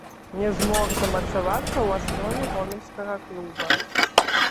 Не змог замацавацца ў аснове гомельскага клуба.